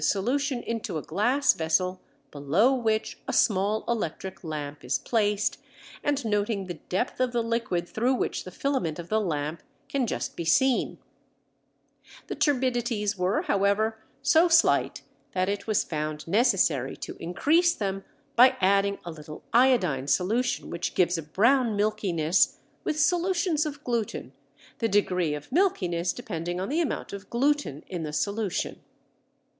Now it is quite easy to measure the degree of turbidity of a solution by pouring the solution into a glass vessel below which a small electric lamp is placed, and noting the depth of the liquid through which the filament of the lamp can just be seen. The turbidities were, however, so slight that it was found necessary to increase them by adding a little iodine solution which gives a brown milkiness with solutions of gluten, the degree of milkiness depending on the amount of gluten in the solution.